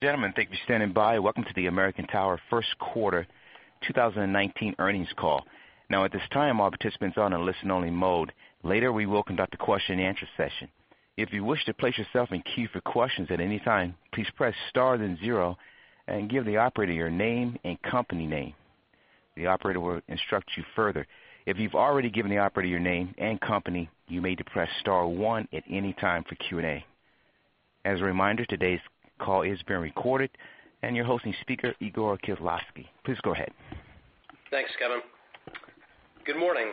Gentlemen, thank you for standing by. Welcome to the American Tower first quarter 2019 earnings call. At this time, all participants are in a listen-only mode. Later, we will conduct a question and answer session. If you wish to place yourself in queue for questions at any time, please press star then zero and give the operator your name and company name. The operator will instruct you further. If you've already given the operator your name and company, you may depress star one at any time for Q&A. As a reminder, today's call is being recorded, your hosting speaker, Igor Khislavsky. Please go ahead. Thanks, Kevin. Good morning,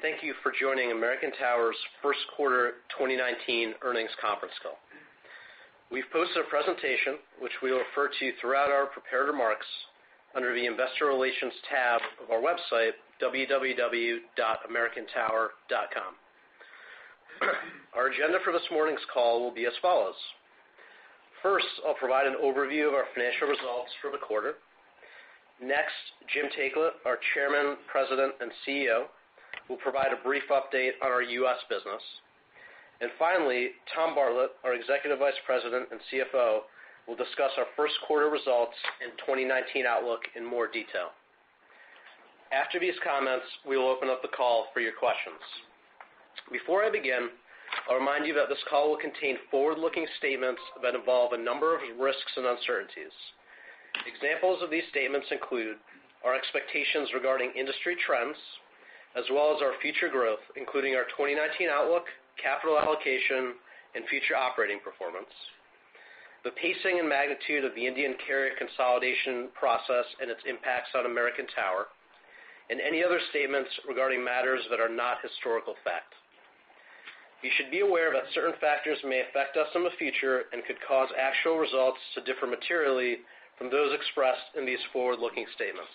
thank you for joining American Tower's first quarter 2019 earnings conference call. We've posted a presentation, which we will refer to throughout our prepared remarks, under the investor relations tab of our website, www.americantower.com. Our agenda for this morning's call will be as follows. First, I'll provide an overview of our financial results for the quarter. Next, Jim Taiclet, our Chairman, President, and CEO, will provide a brief update on our U.S. business. Finally, Tom Bartlett, our Executive Vice President and CFO, will discuss our first quarter results and 2019 outlook in more detail. After these comments, we will open up the call for your questions. Before I begin, I'll remind you that this call will contain forward-looking statements that involve a number of risks and uncertainties. Examples of these statements include our expectations regarding industry trends as well as our future growth, including our 2019 outlook, capital allocation, and future operating performance, the pacing and magnitude of the Indian carrier consolidation process and its impacts on American Tower, any other statements regarding matters that are not historical fact. You should be aware that certain factors may affect us in the future and could cause actual results to differ materially from those expressed in these forward-looking statements.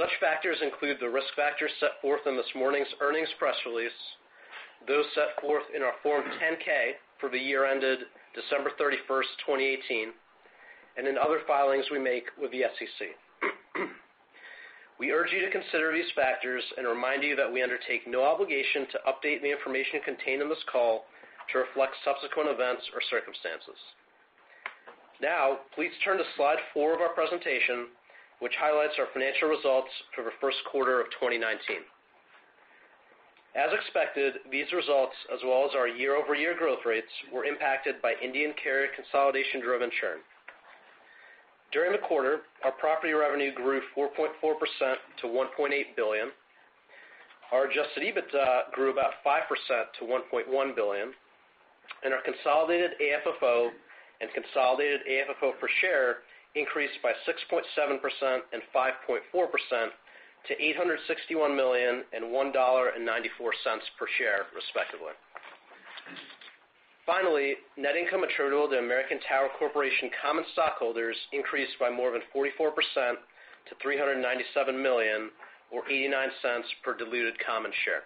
Such factors include the risk factors set forth in this morning's earnings press release, those set forth in our Form 10-K for the year ended December 31st, 2018, and in other filings we make with the SEC. We urge you to consider these factors, remind you that we undertake no obligation to update the information contained on this call to reflect subsequent events or circumstances. Please turn to slide four of our presentation, which highlights our financial results for the first quarter of 2019. As expected, these results, as well as our year-over-year growth rates, were impacted by Indian carrier consolidation-driven churn. During the quarter, our property revenue grew 4.4% to $1.8 billion. Our adjusted EBITDA grew about 5% to $1.1 billion, our consolidated AFFO and consolidated AFFO per share increased by 6.7% and 5.4% to $861 million and $1.94 per share, respectively. Finally, net income attributable to American Tower Corporation common stockholders increased by more than 44% to $397 million or $0.89 per diluted common share.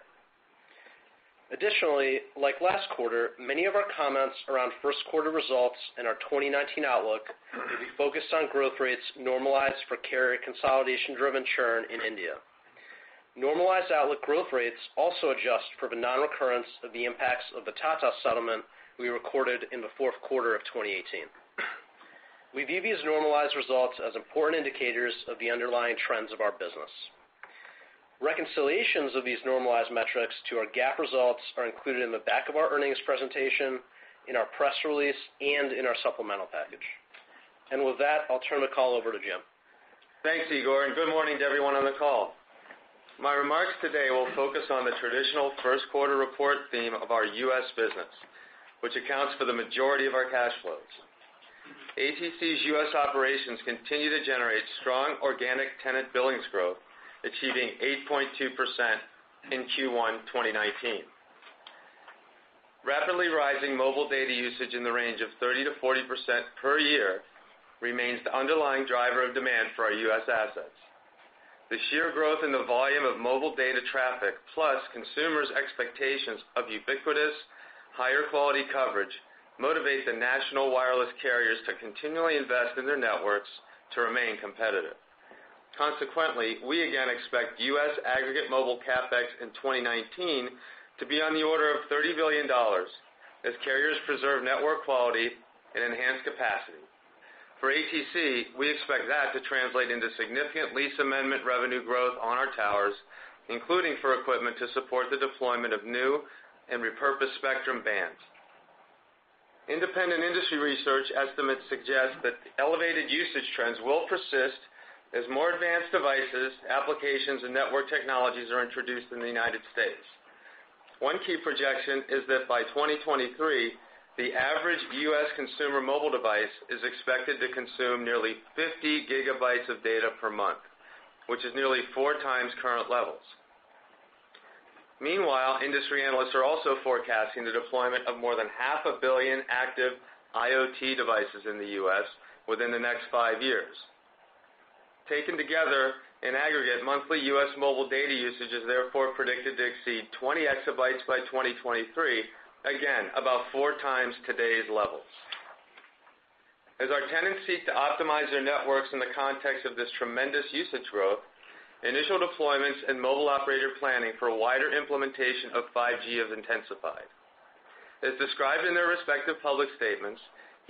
Additionally, like last quarter, many of our comments around first quarter results and our 2019 outlook will be focused on growth rates normalized for carrier consolidation-driven churn in India. Normalized outlook growth rates also adjust for the non-recurrence of the impacts of the Tata settlement we recorded in the fourth quarter of 2018. We view these normalized results as important indicators of the underlying trends of our business. Reconciliations of these normalized metrics to our GAAP results are included in the back of our earnings presentation, in our press release, and in our supplemental package. With that, I'll turn the call over to Jim. Thanks, Igor, and good morning to everyone on the call. My remarks today will focus on the traditional first quarter report theme of our U.S. business, which accounts for the majority of our cash flows. ATC's U.S. operations continue to generate strong organic tenant billings growth, achieving 8.2% in Q1 2019. Rapidly rising mobile data usage in the range of 30%-40% per year remains the underlying driver of demand for our U.S. assets. The sheer growth in the volume of mobile data traffic, plus consumers' expectations of ubiquitous, higher quality coverage motivate the national wireless carriers to continually invest in their networks to remain competitive. Consequently, we again expect U.S. aggregate mobile CapEx in 2019 to be on the order of $30 billion as carriers preserve network quality and enhance capacity. For ATC, we expect that to translate into significant lease amendment revenue growth on our towers, including for equipment to support the deployment of new and repurposed spectrum bands. Independent industry research estimates suggest that elevated usage trends will persist as more advanced devices, applications, and network technologies are introduced in the United States. One key projection is that by 2023, the average U.S. consumer mobile device is expected to consume nearly 50 GB of data per month, which is nearly four times current levels. Meanwhile, industry analysts are also forecasting the deployment of more than half a billion active IoT devices in the U.S. within the next five years. Taken together, in aggregate, monthly U.S. mobile data usage is therefore predicted to exceed 20 EB by 2023. Again, about four times today's levels. As our tenants seek to optimize their networks in the context of this tremendous usage growth, initial deployments and mobile operator planning for wider implementation of 5G have intensified. As described in their respective public statements,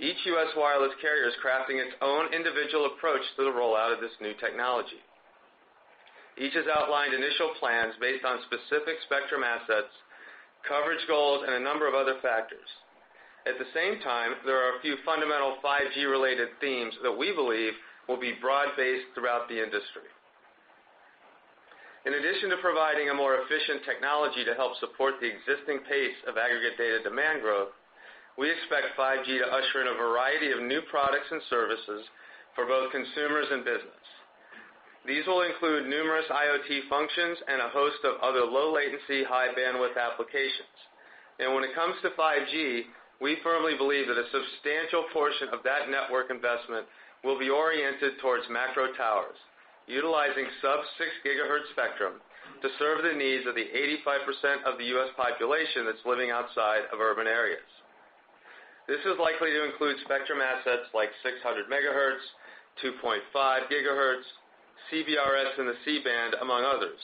each U.S. wireless carrier is crafting its own individual approach to the rollout of this new technology. Each has outlined initial plans based on specific spectrum assets, coverage goals, and a number of other factors. At the same time, there are a few fundamental 5G-related themes that we believe will be broad-based throughout the industry. In addition to providing a more efficient technology to help support the existing pace of aggregate data demand growth, we expect 5G to usher in a variety of new products and services for both consumers and business. These will include numerous IoT functions and a host of other low latency, high bandwidth applications. When it comes to 5G, we firmly believe that a substantial portion of that network investment will be oriented towards macro towers, utilizing sub-6 GHz spectrum to serve the needs of the 85% of the U.S. population that's living outside of urban areas. This is likely to include spectrum assets like 600 MHz, 2.5 GHz, CBRS, and the C-band, among others.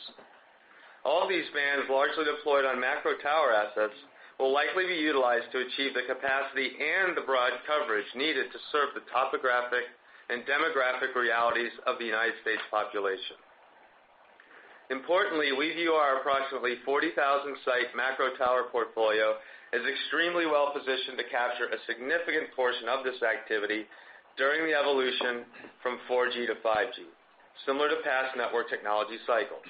All these bands, largely deployed on macro-tower assets, will likely be utilized to achieve the capacity and the broad coverage needed to serve the topographic and demographic realities of the U.S. population. Importantly, we view our approximately 40,000-site macro tower portfolio as extremely well-positioned to capture a significant portion of this activity during the evolution from 4G to 5G, similar to past network technology cycles.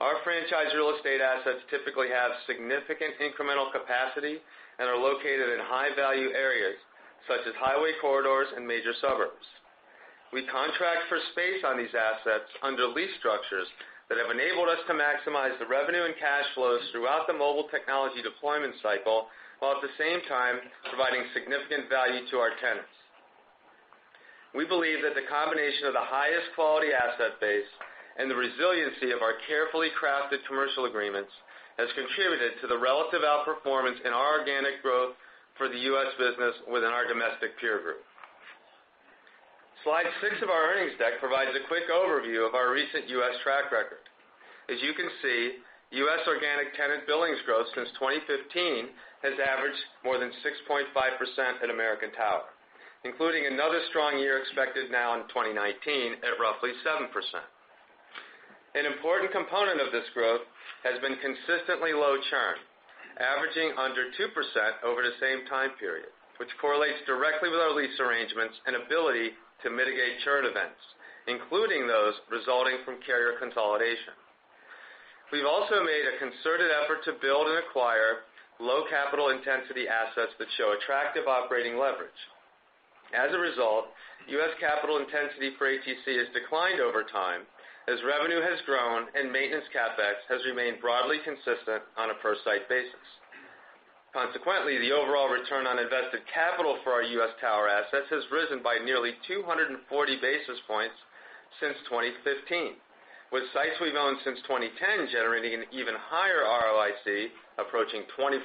Our franchise real estate assets typically have significant incremental capacity and are located in high-value areas such as highway corridors and major suburbs. We contract for space on these assets under lease structures that have enabled us to maximize the revenue and cash flows throughout the mobile technology deployment cycle, while at the same time providing significant value to our tenants. We believe that the combination of the highest quality asset base and the resiliency of our carefully crafted commercial agreements has contributed to the relative outperformance in our organic growth for the U.S. business within our domestic peer group. Slide six of our earnings deck provides a quick overview of our recent U.S. track record. As you can see, U.S. organic tenant billings growth since 2015 has averaged more than 6.5% at American Tower, including another strong year expected now in 2019 at roughly 7%. An important component of this growth has been consistently low churn, averaging under 2% over the same time period, which correlates directly with our lease arrangements and ability to mitigate churn events, including those resulting from carrier consolidation. We've also made a concerted effort to build and acquire low capital intensity assets that show attractive operating leverage. As a result, U.S. capital intensity for ATC has declined over time as revenue has grown and maintenance CapEx has remained broadly consistent on a per-site basis. Consequently, the overall return on invested capital for our U.S. tower assets has risen by nearly 240 basis points since 2015, with sites we've owned since 2010 generating an even higher ROIC approaching 20%.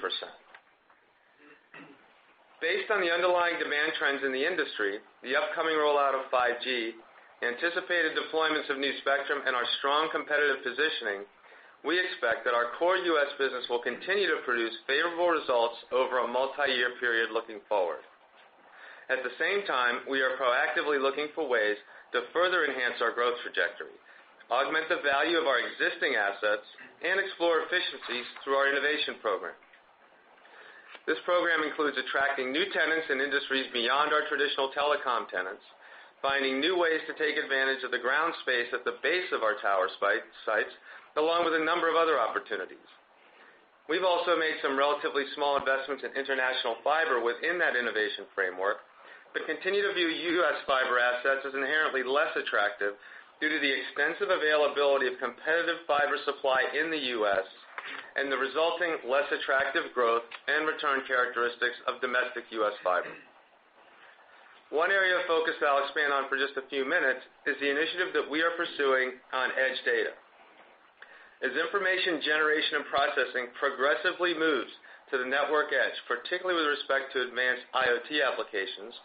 Based on the underlying demand trends in the industry, the upcoming rollout of 5G, anticipated deployments of new spectrum, and our strong competitive positioning, we expect that our core U.S. business will continue to produce favorable results over a multi-year period looking forward. At the same time, we are proactively looking for ways to further enhance our growth trajectory, augment the value of our existing assets, and explore efficiencies through our innovation program. This program includes attracting new tenants in industries beyond our traditional telecom tenants, finding new ways to take advantage of the ground space at the base of our tower sites, along with a number of other opportunities. We've also made some relatively small investments in international fiber within that innovation framework. Continue to view U.S. fiber assets as inherently less attractive due to the extensive availability of competitive fiber supply in the U.S. and the resulting less attractive growth and return characteristics of domestic U.S. fiber. One area of focus I'll expand on for just a few minutes is the initiative that we are pursuing on edge data. As information generation and processing progressively moves to the network edge, particularly with respect to advanced IoT applications,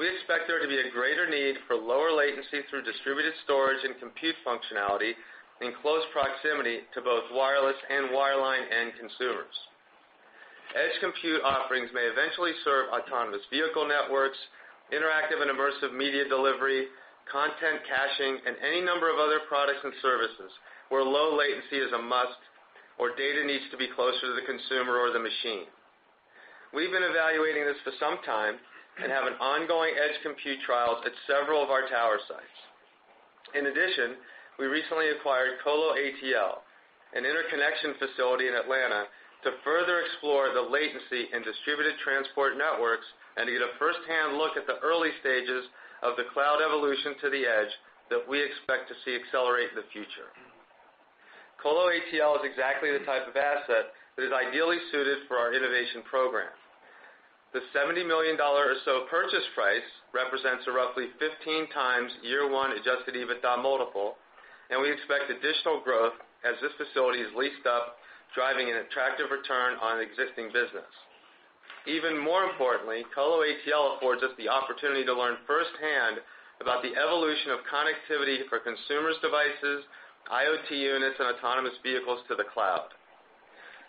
we expect there to be a greater need for lower latency through distributed storage and compute functionality in close proximity to both wireless and wireline end consumers. Edge compute offerings may eventually serve autonomous vehicle networks, interactive and immersive media delivery, content caching, and any number of other products and services where low latency is a must or data needs to be closer to the consumer or the machine. We've been evaluating this for some time and have an ongoing edge compute trial at several of our tower sites. In addition, we recently acquired Colo Atl, an interconnection facility in Atlanta, to further explore the latency in distributed transport networks and to get a first-hand look at the early stages of the cloud evolution to the edge that we expect to see accelerate in the future. Colo Atl is exactly the type of asset that is ideally suited for our innovation program. The $70 million or so purchase price represents a roughly 15x year one adjusted EBITDA multiple. We expect additional growth as this facility is leased up, driving an attractive return on existing business. Even more importantly, Colo Atl affords us the opportunity to learn firsthand about the evolution of connectivity for consumers' devices, IoT units, and autonomous vehicles to the cloud.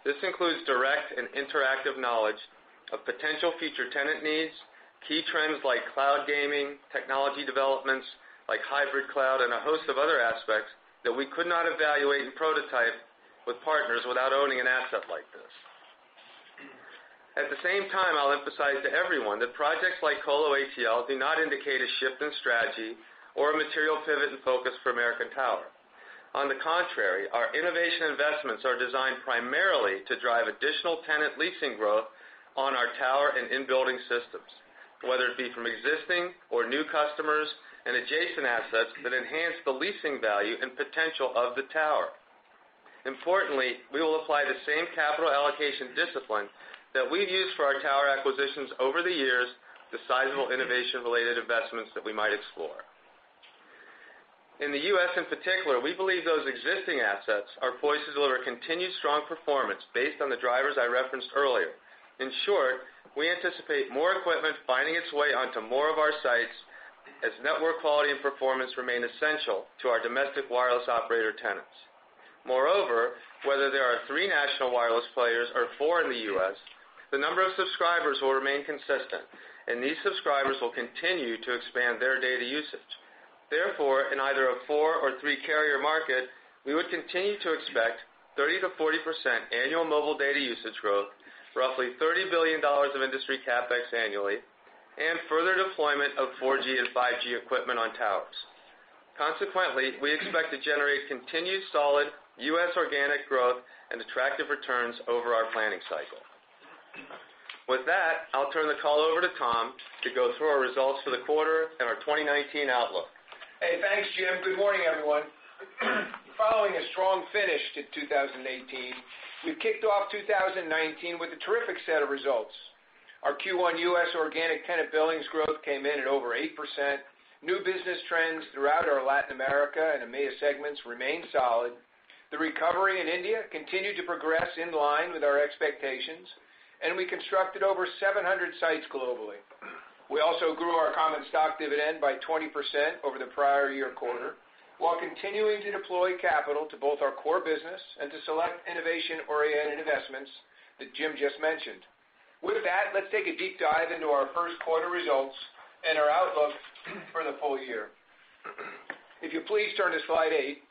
This includes direct and interactive knowledge of potential future tenant needs, key trends like cloud gaming, technology developments like hybrid cloud, and a host of other aspects that we could not evaluate and prototype with partners without owning an asset like this. At the same time, I'll emphasize to everyone that projects like Colo Atl do not indicate a shift in strategy or a material pivot in focus for American Tower. On the contrary, our innovation investments are designed primarily to drive additional tenant leasing growth on our tower and in-building systems, whether it be from existing or new customers and adjacent assets that enhance the leasing value and potential of the tower. Importantly, we will apply the same capital allocation discipline that we've used for our tower acquisitions over the years to sizable innovation-related investments that we might explore. In the U.S. in particular, we believe those existing assets are poised to deliver continued strong performance based on the drivers I referenced earlier. In short, we anticipate more equipment finding its way onto more of our sites as network quality and performance remain essential to our domestic wireless operator tenants. Moreover, whether there are three national wireless players or four in the U.S., the number of subscribers will remain consistent, and these subscribers will continue to expand their data usage. Therefore, in either a four or three-carrier market, we would continue to expect 30%-40% annual mobile data usage growth, roughly $30 billion of industry CapEx annually, and further deployment of 4G and 5G equipment on towers. Consequently, we expect to generate continued solid U.S. organic growth and attractive returns over our planning cycle. With that, I'll turn the call over to Tom to go through our results for the quarter and our 2019 outlook. Thanks, Jim. Good morning, everyone. Following a strong finish to 2018, we've kicked off 2019 with a terrific set of results. Our Q1 U.S. organic tenant billings growth came in at over 8%. New business trends throughout our Latin America and EMEA segments remained solid. The recovery in India continued to progress in line with our expectations, and we constructed over 700 sites globally. We also grew our common stock dividend by 20% over the prior year quarter, while continuing to deploy capital to both our core business and to select innovation-oriented investments that Jim just mentioned. With that, let's take a deep dive into our first quarter results and our outlook for the full year. If you please turn to slide eight.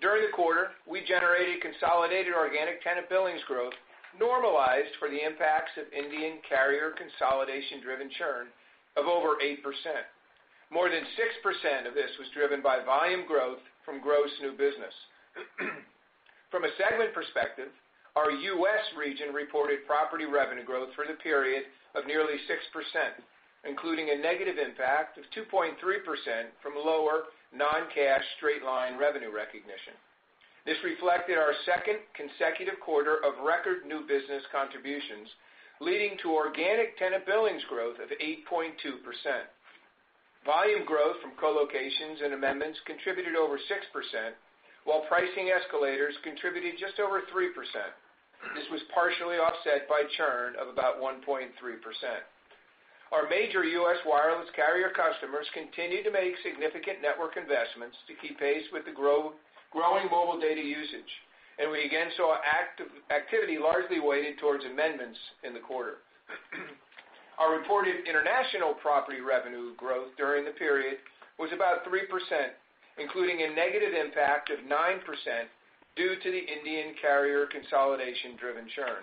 During the quarter, we generated consolidated organic tenant billings growth normalized for the impacts of Indian carrier consolidation-driven churn of over 8%. More than 6% of this was driven by volume growth from gross new business. From a segment perspective, our U.S. region reported property revenue growth for the period of nearly 6%, including a negative impact of 2.3% from lower non-cash straight-line revenue recognition. This reflected our second consecutive quarter of record new business contributions, leading to organic tenant billings growth of 8.2%. Volume growth from co-locations and amendments contributed over 6%, while pricing escalators contributed just over 3%. This was partially offset by churn of about 1.3%. Our major U.S. wireless carrier customers continued to make significant network investments to keep pace with the growing mobile data usage, and we again saw activity largely weighted towards amendments in the quarter. Our reported international property revenue growth during the period was about 3%, including a negative impact of 9% due to the Indian carrier consolidation-driven churn.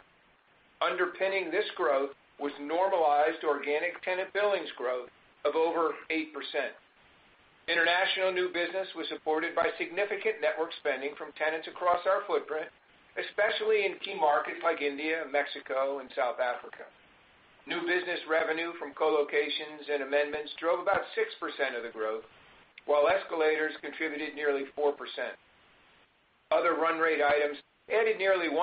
Underpinning this growth was normalized organic tenant billings growth of over 8%. International new business was supported by significant network spending from tenants across our footprint, especially in key markets like India, Mexico, and South Africa. New business revenue from co-locations and amendments drove about 6% of the growth, while escalators contributed nearly 4%. Other run rate items added nearly 1%,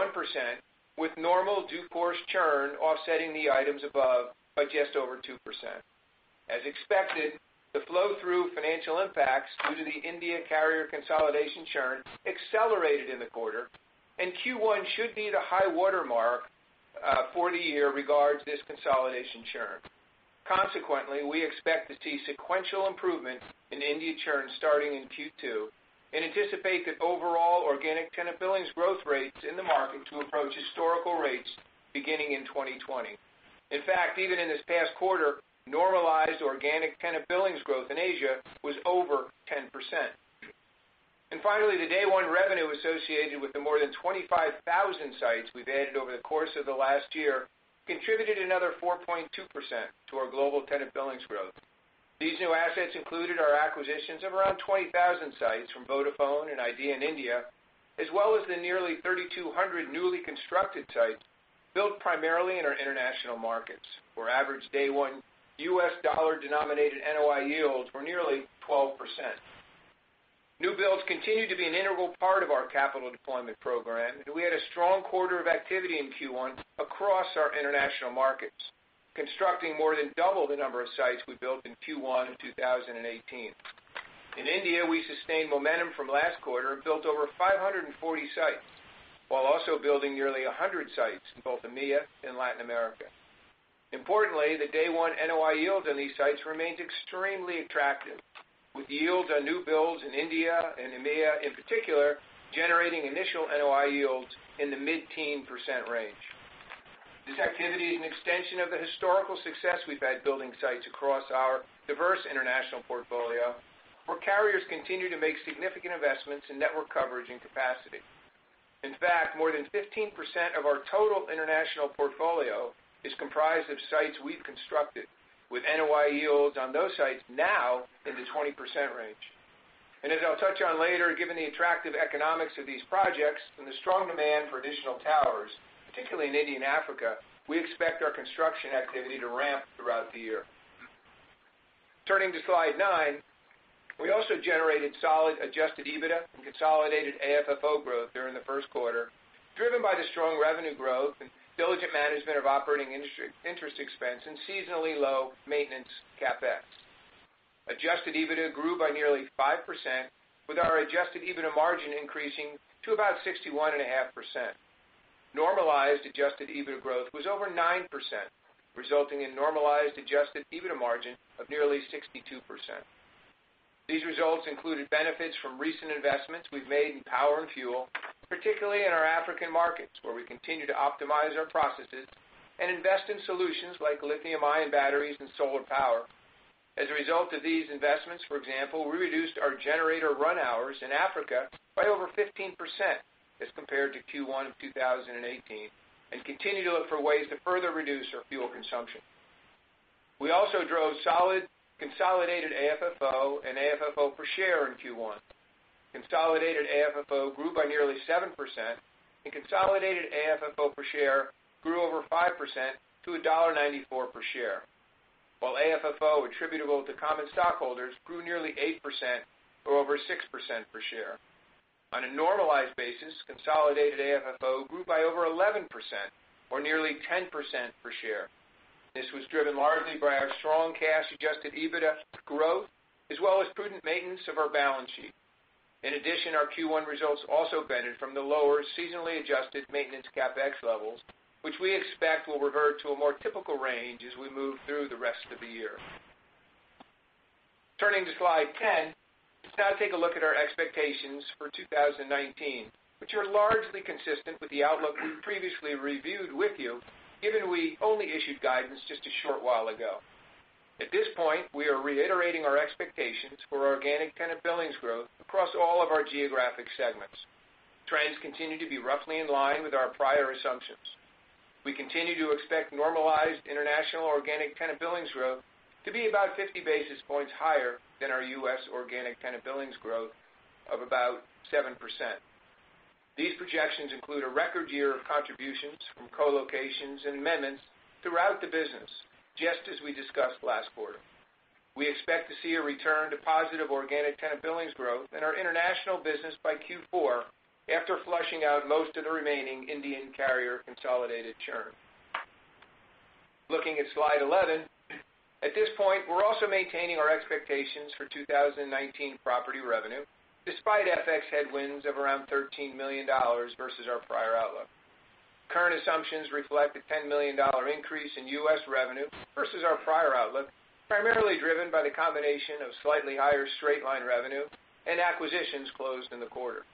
with normal due course churn offsetting the items above by just over 2%. As expected, the flow-through financial impacts due to the India carrier consolidation churn accelerated in the quarter, and Q1 should be the high-water mark for the year regarding this consolidation churn. Consequently, we expect to see sequential improvements in India churn starting in Q2 and anticipate that overall organic tenant billings growth rates in the market to approach historical rates beginning in 2020. In fact, even in this past quarter, normalized organic tenant billings growth in Asia was over 10%. Finally, the day-one revenue associated with the more than 25,000 sites we've added over the course of the last year contributed another 4.2% to our global tenant billings growth. These new assets included our acquisitions of around 20,000 sites from Vodafone and Idea in India, as well as the nearly 3,200 newly constructed sites built primarily in our international markets, where average day-one U.S. dollar-denominated NOI yields were nearly 12%. New builds continue to be an integral part of our capital deployment program. We had a strong quarter of activity in Q1 across our international markets, constructing more than double the number of sites we built in Q1 2018. In India, we sustained momentum from last quarter and built over 540 sites, while also building nearly 100 sites in both EMEA and Latin America. Importantly, the day-one NOI yield on these sites remains extremely attractive, with yields on new builds in India and EMEA in particular, generating initial NOI yields in the mid-teen percent range. This activity is an extension of the historical success we've had building sites across our diverse international portfolio, where carriers continue to make significant investments in network coverage and capacity. In fact, more than 15% of our total international portfolio is comprised of sites we've constructed, with NOI yields on those sites now in the 20% range. As I'll touch on later, given the attractive economics of these projects and the strong demand for additional towers, particularly in India and Africa, we expect our construction activity to ramp throughout the year. Turning to slide nine, we also generated solid adjusted EBITDA and consolidated AFFO growth during the first quarter, driven by the strong revenue growth and diligent management of operating interest expense and seasonally low maintenance CapEx. Adjusted EBITDA grew by nearly 5%, with our adjusted EBITDA margin increasing to about 61.5%. Normalized adjusted EBITDA growth was over 9%, resulting in normalized adjusted EBITDA margin of nearly 62%. These results included benefits from recent investments we've made in power and fuel, particularly in our African markets, where we continue to optimize our processes and invest in solutions like lithium-ion batteries and solar power. As a result of these investments, for example, we reduced our generator run hours in Africa by over 15% as compared to Q1 of 2018. We continue to look for ways to further reduce our fuel consumption. We also drove solid consolidated AFFO and AFFO per share in Q1. Consolidated AFFO grew by nearly 7%, and consolidated AFFO per share grew over 5% to $1.94 per share. While AFFO attributable to common stockholders grew nearly 8% or over 6% per share. On a normalized basis, consolidated AFFO grew by over 11% or nearly 10% per share. This was driven largely by our strong cash adjusted EBITDA growth, as well as prudent maintenance of our balance sheet. In addition, our Q1 results also benefited from the lower seasonally adjusted maintenance CapEx levels, which we expect will revert to a more typical range as we move through the rest of the year. Turning to slide 10, let's now take a look at our expectations for 2019, which are largely consistent with the outlook we've previously reviewed with you, given we only issued guidance just a short while ago. At this point, we are reiterating our expectations for organic tenant billings growth across all of our geographic segments. Trends continue to be roughly in line with our prior assumptions. We continue to expect normalized international organic tenant billings growth to be about 50 basis points higher than our U.S. organic tenant billings growth of about 7%. These projections include a record year of contributions from co-locations and amendments throughout the business, just as we discussed last quarter. We expect to see a return to positive organic tenant billings growth in our international business by Q4 after flushing out most of the remaining Indian carrier consolidated churn. Looking at slide 11, at this point, we're also maintaining our expectations for 2019 property revenue, despite FX headwinds of around $13 million versus our prior outlook. Current assumptions reflect a $10 million increase in U.S. revenue versus our prior outlook, primarily driven by the combination of slightly higher straight-line revenue and acquisitions closed in the quarter.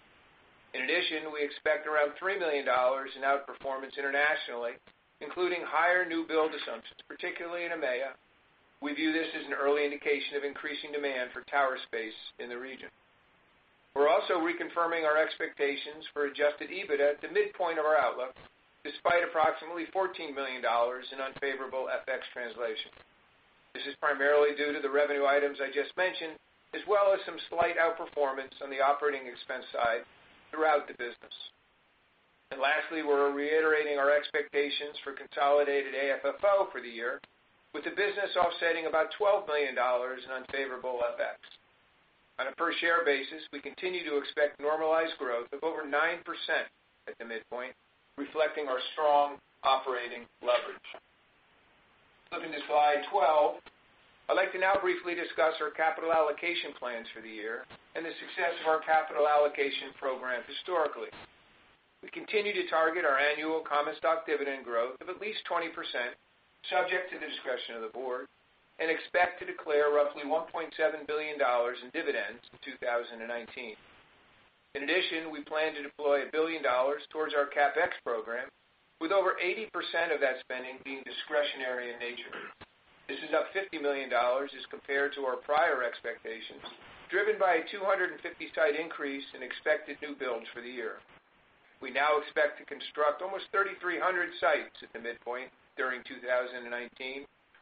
In addition, we expect around $3 million in outperformance internationally, including higher new build assumptions, particularly in EMEA. We view this as an early indication of increasing demand for tower space in the region. We're also reconfirming our expectations for adjusted EBITDA at the midpoint of our outlook, despite approximately $14 million in unfavorable FX translation. This is primarily due to the revenue items I just mentioned, as well as some slight outperformance on the operating expense side throughout the business. Lastly, we're reiterating our expectations for consolidated AFFO for the year, with the business offsetting about $12 million in unfavorable FX. On a per-share basis, we continue to expect normalized growth of over 9% at the midpoint, reflecting our strong operating leverage. Flipping to slide 12, I'd like to now briefly discuss our capital allocation plans for the year and the success of our capital allocation program historically. We continue to target our annual common stock dividend growth of at least 20%, subject to the discretion of the board, and expect to declare roughly $1.7 billion in dividends in 2019. In addition, we plan to deploy $1 billion towards our CapEx program, with over 80% of that spending being discretionary in nature. This is up $50 million as compared to our prior expectations, driven by a 250 site increase in expected new builds for the year. We now expect to construct almost 3,300 sites at the midpoint during 2019,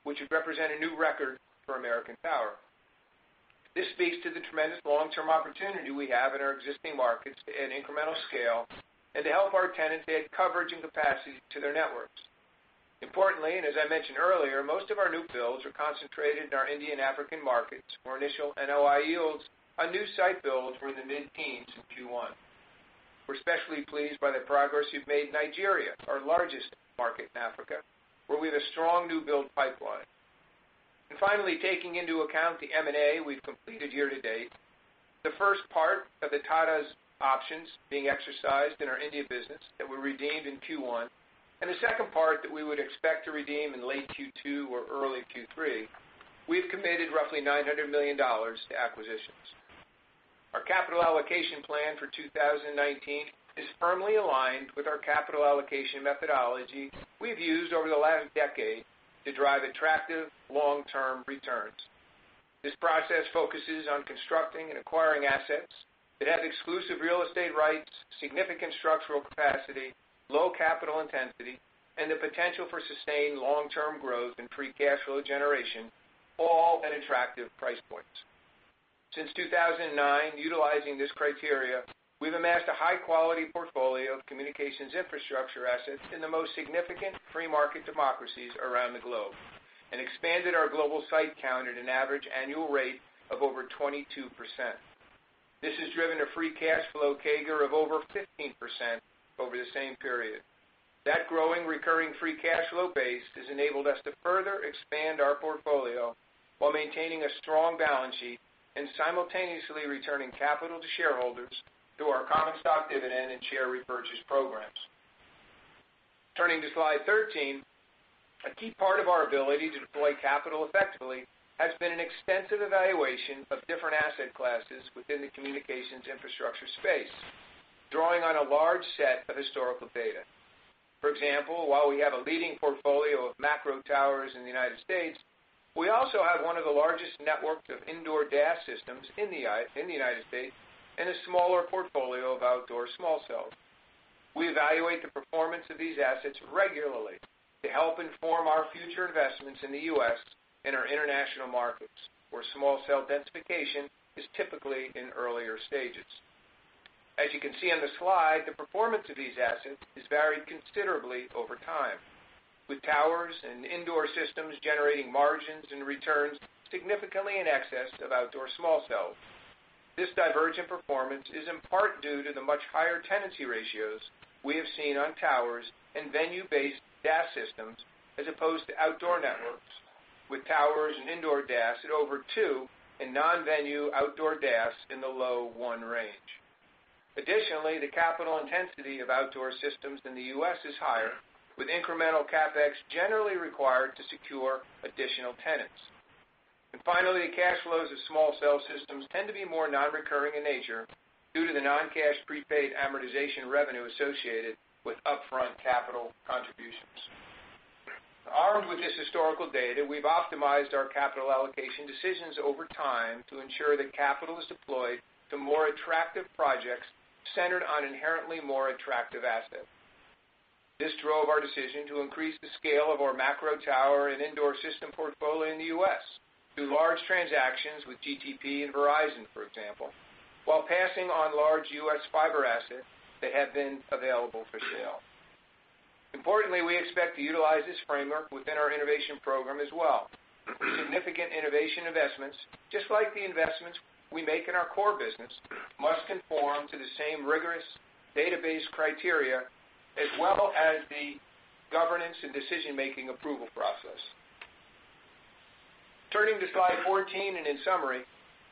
which would represent a new record for American Tower. This speaks to the tremendous long-term opportunity we have in our existing markets to add incremental scale and to help our tenants add coverage and capacity to their networks. Importantly, as I mentioned earlier, most of our new builds are concentrated in our India and African markets, where initial NOI yields on new site builds were in the mid-teens in Q1. We're especially pleased by the progress we've made in Nigeria, our largest market in Africa, where we have a strong new build pipeline. Finally, taking into account the M&A we've completed year to date, the first part of the Tata's options being exercised in our India business that were redeemed in Q1, and the second part that we would expect to redeem in late Q2 or early Q3, we've committed roughly $900 million to acquisitions. Our capital allocation plan for 2019 is firmly aligned with our capital allocation methodology we've used over the last decade to drive attractive long-term returns. This process focuses on constructing and acquiring assets that have exclusive real estate rights, significant structural capacity, low capital intensity, and the potential for sustained long-term growth and free cash flow generation, all at attractive price points. Since 2009, utilizing this criteria, we've amassed a high-quality portfolio of communications infrastructure assets in the most significant free market democracies around the globe and expanded our global site count at an average annual rate of over 22%. This has driven a free cash flow CAGR of over 15% over the same period. That growing recurring free cash flow base has enabled us to further expand our portfolio while maintaining a strong balance sheet and simultaneously returning capital to shareholders through our common stock dividend and share repurchase programs. Turning to slide 13, a key part of our ability to deploy capital effectively has been an extensive evaluation of different asset classes within the communications infrastructure space, drawing on a large set of historical data. For example, while we have a leading portfolio of macro towers in the U.S., we also have one of the largest networks of indoor DAS systems in the U.S. and a smaller portfolio of outdoor small cells. We evaluate the performance of these assets regularly to help inform our future investments in the U.S. and our international markets, where small cell densification is typically in earlier stages. As you can see on the slide, the performance of these assets has varied considerably over time, with towers and indoor systems generating margins and returns significantly in excess of outdoor small cells. This divergent performance is in part due to the much higher tenancy ratios we have seen on towers and venue-based DAS systems as opposed to outdoor networks with towers and indoor DAS at over two and non-venue outdoor DAS in the low one range. Additionally, the capital intensity of outdoor systems in the U.S. is higher, with incremental CapEx generally required to secure additional tenants. Finally, cash flows of small cell systems tend to be more non-recurring in nature due to the non-cash prepaid amortization revenue associated with upfront capital contributions. Armed with this historical data, we've optimized our capital allocation decisions over time to ensure that capital is deployed to more attractive projects centered on inherently more attractive assets. This drove our decision to increase the scale of our macro tower and indoor system portfolio in the U.S. through large transactions with GTP and Verizon, for example, while passing on large U.S. fiber assets that have been available for sale. Importantly, we expect to utilize this framework within our innovation program as well. Significant innovation investments, just like the investments we make in our core business, must conform to the same rigorous database criteria as well as the governance and decision-making approval process. Turning to slide 14 and in summary,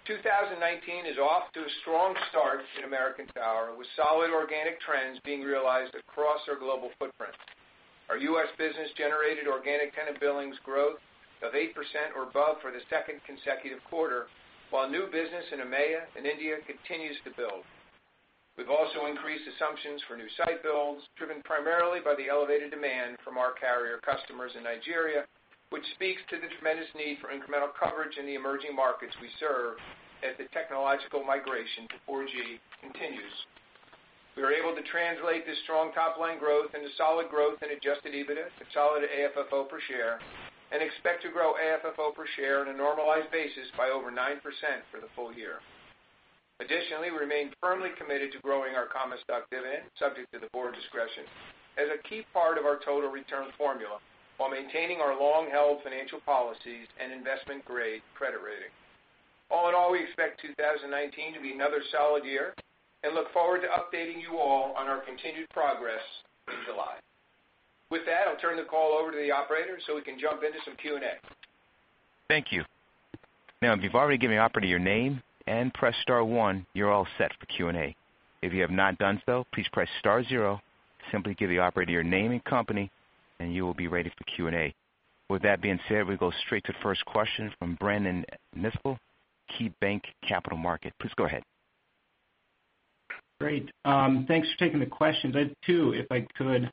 2019 is off to a strong start in American Tower, with solid organic trends being realized across our global footprint. Our U.S. business generated organic tenant billings growth of 8% or above for the second consecutive quarter, while new business in EMEA and India continues to build. We've also increased assumptions for new site builds, driven primarily by the elevated demand from our carrier customers in Nigeria, which speaks to the tremendous need for incremental coverage in the emerging markets we serve as the technological migration to 4G continues. We are able to translate this strong top-line growth into solid growth in adjusted EBITDA and solid AFFO per share, and expect to grow AFFO per share on a normalized basis by over 9% for the full year. Additionally, we remain firmly committed to growing our common stock dividend, subject to the board's discretion, as a key part of our total return formula, while maintaining our long-held financial policies and investment-grade credit rating. All in all, we expect 2019 to be another solid year and look forward to updating you all on our continued progress in July. I'll turn the call over to the operator so we can jump into some Q&A. Thank you. If you've already given the operator your name and pressed star one, you're all set for Q&A. If you have not done so, please press star zero. Simply give the operator your name and company, and you will be ready for Q&A. We'll go straight to the first question from Brandon Nispel, KeyBanc Capital Markets. Please go ahead. Great. Thanks for taking the questions. I have two, if I could.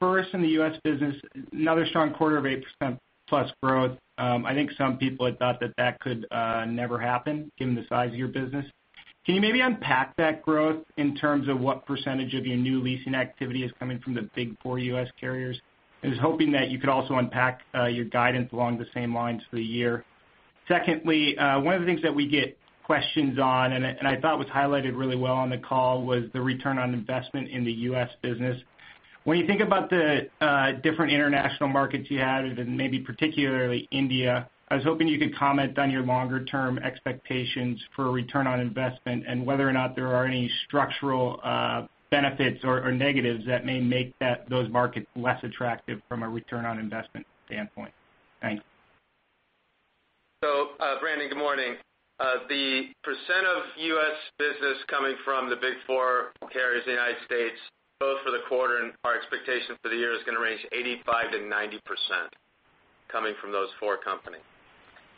First, in the U.S. business, another strong quarter of 8%+ growth. I think some people had thought that that could never happen given the size of your business. Can you maybe unpack that growth in terms of what percentage of your new leasing activity is coming from the big four U.S. carriers? I was hoping that you could also unpack your guidance along the same lines for the year. One of the things that we get questions on, and I thought was highlighted really well on the call, was the return on investment in the U.S. business. When you think about the different international markets you have and maybe particularly India, I was hoping you could comment on your longer-term expectations for return on investment and whether or not there are any structural benefits or negatives that may make those markets less attractive from a return on investment standpoint. Thanks. Brendan, good morning. The percent of U.S. business coming from the big four carriers in the U.S., both for the quarter and our expectation for the year, is gonna range 85%-90% coming from those four companies.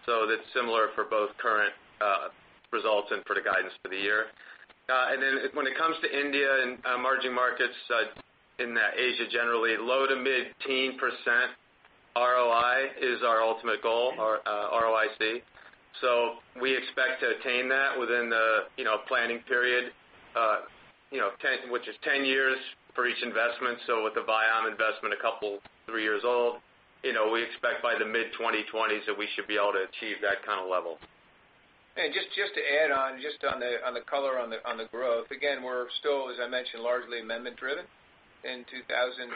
That's similar for both current results and for the guidance for the year. When it comes to India and emerging markets in Asia, generally, low to mid-teen % ROI is our ultimate goal, or ROIC. We expect to attain that within the planning period, which is 10 years for each investment. With the Viom investment a couple, three years old, we expect by the mid-2020s that we should be able to achieve that kind of level. Just to add on, just on the color on the growth, again, we're still, as I mentioned, largely amendment driven in 2019.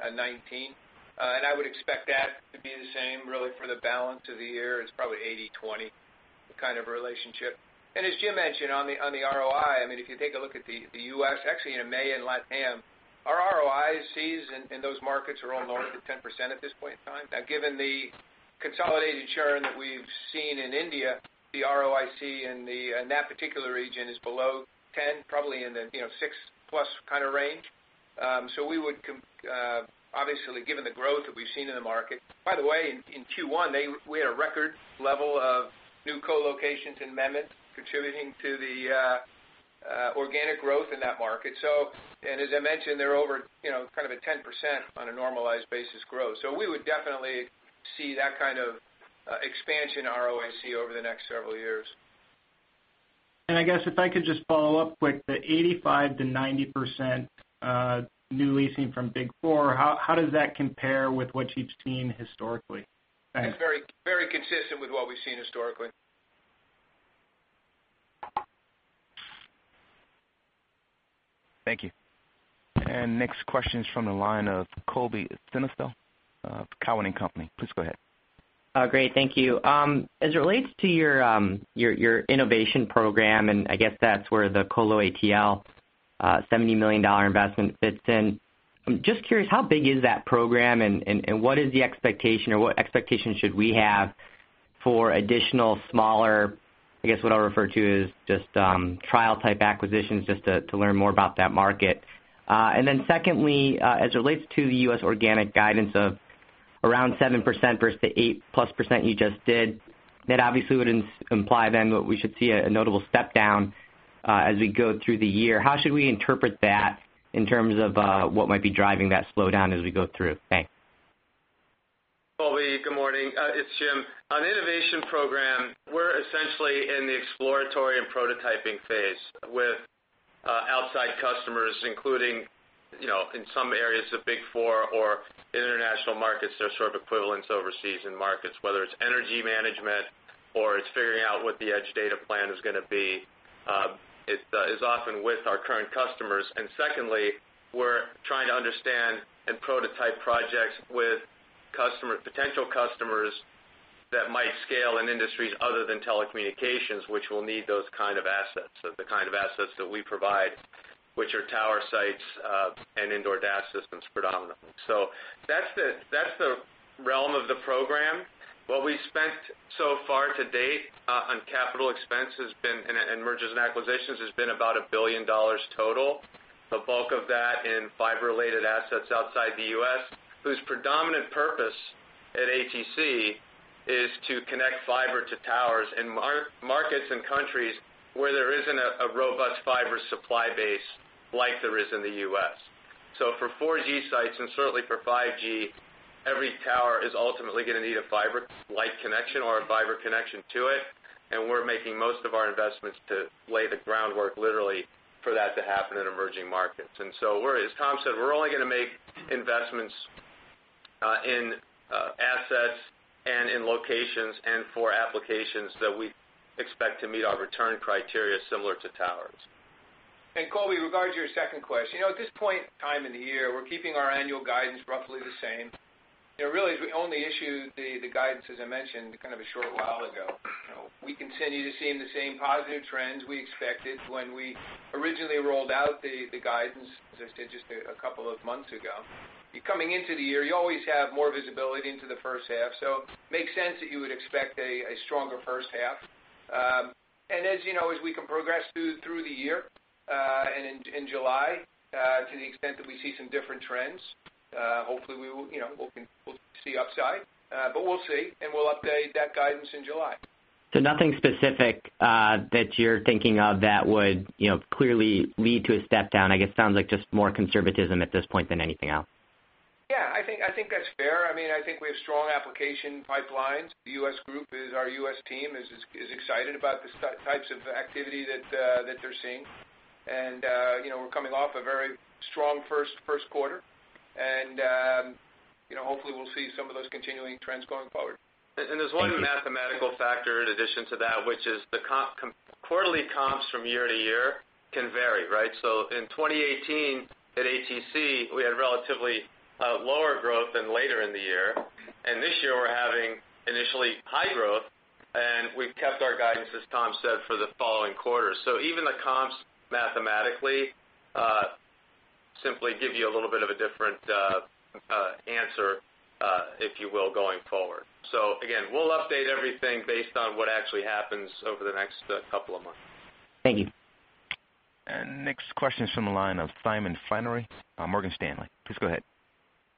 I would expect that to be the same really for the balance of the year. It's probably 80/20 kind of relationship. As Jim mentioned on the ROI, if you take a look at the U.S., actually in EMEA and LATAM, our ROICs in those markets are all north of 10% at this point in time. Given the consolidated churn that we've seen in India, the ROIC in that particular region is below 10, probably in the 6+ range. We would obviously, given the growth that we've seen in the market-- by the way, in Q1, we had a record level of new co-locations and amendments contributing to the organic growth in that market. As I mentioned, they're over kind of at 10% on a normalized basis growth. We would definitely see that kind of expansion ROIC over the next several years. I guess if I could just follow up with the 85%-90% new leasing from big four, how does that compare with what you've seen historically? Thanks. It's very consistent with what we've seen historically. Thank you. Next question is from the line of Colby Synesael of Cowen and Company. Please go ahead. Great. Thank you. As it relates to your innovation program, I guess that's where the Colo Atl $70 million investment fits in. I'm just curious, how big is that program and what is the expectation or what expectation should we have for additional smaller, I guess, what I'll refer to as just trial type acquisitions, just to learn more about that market. Secondly, as it relates to the U.S. organic guidance of around 7% versus the 8-plus percent you just did, that obviously would imply then what we should see a notable step down as we go through the year. How should we interpret that in terms of what might be driving that slowdown as we go through? Thanks. Colby, good morning. It's Jim. On innovation program, we're essentially in the exploratory and prototyping phase with outside customers, including in some areas, the big four or international markets, their sort of equivalents overseas in markets, whether it's energy management or it's figuring out what the edge data plan is gonna be, is often with our current customers. Secondly, we're trying to understand and prototype projects with potential customers that might scale in industries other than telecommunications, which will need those kind of assets, the kind of assets that we provide, which are tower sites, and indoor DAS systems predominantly. That's the realm of the program. What we spent so far to date on CapEx and mergers and acquisitions has been about $1 billion total. The bulk of that in fiber-related assets outside the U.S., whose predominant purpose at ATC is to connect fiber to towers in markets and countries where there isn't a robust fiber supply base like there is in the U.S. For 4G sites and certainly for 5G, every tower is ultimately gonna need a fiber-like connection or a fiber connection to it. We're making most of our investments to lay the groundwork, literally, for that to happen in emerging markets. As Tom said, we're only gonna make investments in assets and in locations and for applications that we expect to meet our return criteria similar to towers. Colby, regards to your second question. At this point in time in the year, we're keeping our annual guidance roughly the same. Really, we only issued the guidance, as I mentioned, kind of a short while ago. We continue to see the same positive trends we expected when we originally rolled out the guidance just a couple of months ago. You're coming into the year, you always have more visibility into the first half, so it makes sense that you would expect a stronger first half. As you know, as we progress through the year, and in July, to the extent that we see some different trends, hopefully we'll see upside. We'll see, and we'll update that guidance in July. Nothing specific that you're thinking of that would clearly lead to a step down, I guess sounds like just more conservatism at this point than anything else. Yeah, I think that's fair. I think we have strong application pipelines. Our U.S. team is excited about the types of activity that they're seeing. We're coming off a very strong first quarter. Hopefully, we'll see some of those continuing trends going forward. There's one mathematical factor in addition to that, which is the quarterly comps from year-over-year can vary, right? In 2018, at ATC, we had relatively lower growth than later in the year. This year we're having initially high growth, and we've kept our guidance, as Tom said, for the following quarter. Even the comps mathematically, simply give you a little bit of a different answer, if you will, going forward. Again, we'll update everything based on what actually happens over the next couple of months. Thank you. Next question is from the line of Simon Flannery, Morgan Stanley. Please go ahead.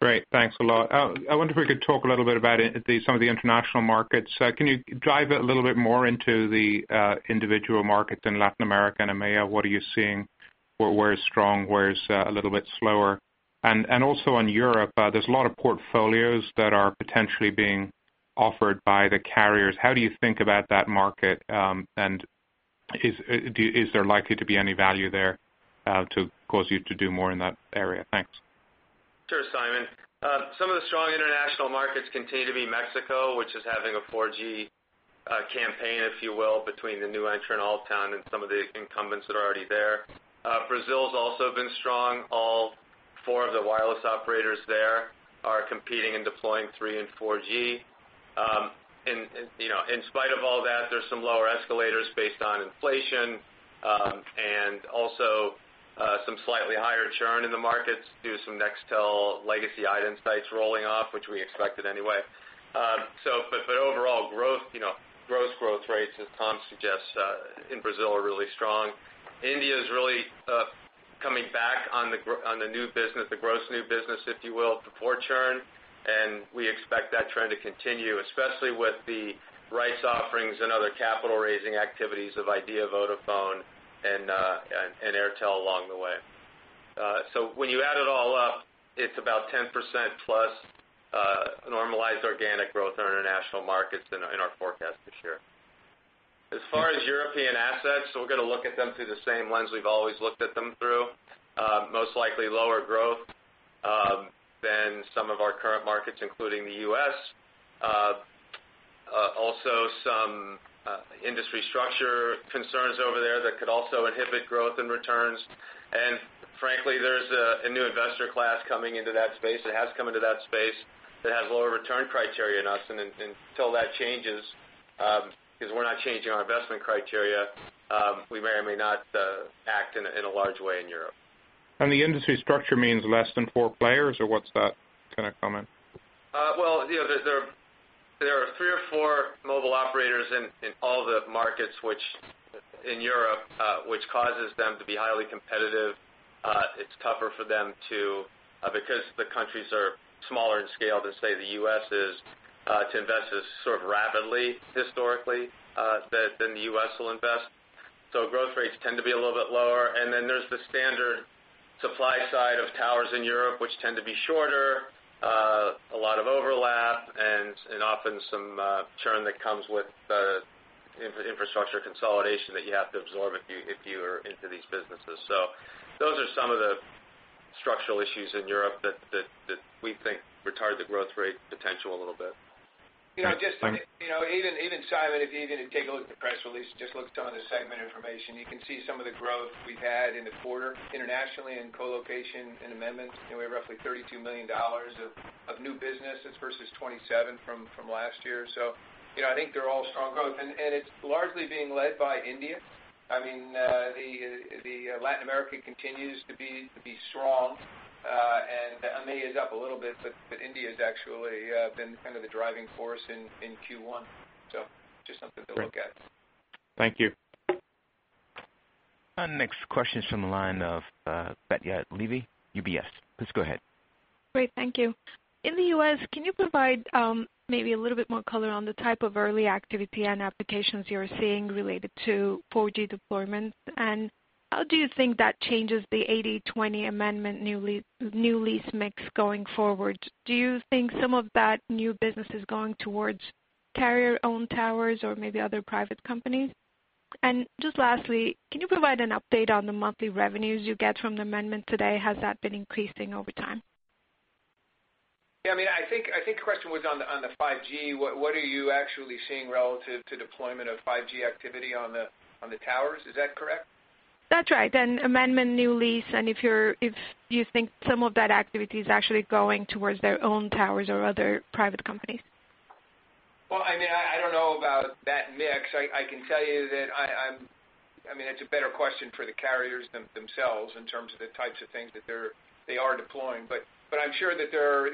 Great. Thanks a lot. I wonder if we could talk a little bit about some of the international markets. Can you dive a little bit more into the individual markets in Latin America and EMEA? What are you seeing? Where is strong, where is a little bit slower? Also in Europe, there's a lot of portfolios that are potentially being offered by the carriers. How do you think about that market? Is there likely to be any value there to cause you to do more in that area? Thanks. Sure, Simon. Some of the strong international markets continue to be Mexico, which is having a 4G campaign, if you will, between the new entrant, Altán, and some of the incumbents that are already there. Brazil's also been strong. All four of the wireless operators there are competing and deploying 3 and 4G. In spite of all that, there's some lower escalators based on inflation, and also some slightly higher churn in the markets due to some Nextel legacy iDEN sites rolling off, which we expected anyway. Overall, gross growth rates, as Tom suggests, in Brazil are really strong. India is really coming back on the gross new business, if you will, before churn, and we expect that trend to continue, especially with the rights offerings and other capital-raising activities of Idea, Vodafone, and Airtel along the way. When you add it all up, it's about 10% plus normalized organic growth in our international markets in our forecast this year. As far as European assets, we're going to look at them through the same lens we've always looked at them through. Most likely lower growth than some of our current markets, including the U.S. Also, some industry structure concerns over there that could also inhibit growth and returns. Frankly, there's a new investor class coming into that space. It has come into that space that has lower return criteria than us. Until that changes, because we're not changing our investment criteria, we may or may not act in a large way in Europe. The industry structure means less than four players, or what's that kind of comment? Well, there are three or four mobile operators in all the markets in Europe, which causes them to be highly competitive. It's tougher for them to, because the countries are smaller in scale than, say, the U.S. is, to invest as sort of rapidly historically, than the U.S. will invest. Growth rates tend to be a little bit lower. Then there's the standard supply side of towers in Europe, which tend to be shorter, a lot of overlap, and often some churn that comes with infrastructure consolidation that you have to absorb if you are into these businesses. Those are some of the structural issues in Europe that we think retard the growth rate potential a little bit. Even, Simon, if you even take a look at the press release, just look down the segment information. You can see some of the growth we've had in the quarter internationally in colocation and amendments. We have roughly $32 million of new business. It's versus 27 from last year. I think they're all strong growth. It's largely being led by India. I mean, Latin America continues to be strong. EMEA is up a little bit, but India's actually been kind of the driving force in Q1. Just something to look at. Thank you. Our next question is from the line of Batya Levi, UBS. Please go ahead. Great. Thank you. In the U.S., can you provide maybe a little bit more color on the type of early activity and applications you're seeing related to 4G deployments? How do you think that changes the 80-20 amendment new lease mix going forward? Do you think some of that new business is going towards carrier-owned towers or maybe other private companies? Just lastly, can you provide an update on the monthly revenues you get from the amendment today? Has that been increasing over time? Yeah, I think the question was on the 5G. What are you actually seeing relative to deployment of 5G activity on the towers? Is that correct? That's right. amendment new lease, and if you think some of that activity is actually going towards their own towers or other private companies. I don't know about that mix. I can tell you that it's a better question for the carriers themselves in terms of the types of things that they are deploying. I'm sure that there